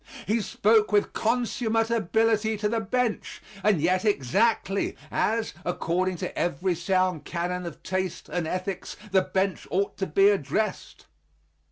He spoke with consummate ability to the bench, and yet exactly as, according to every sound canon of taste and ethics, the bench ought to be addressed.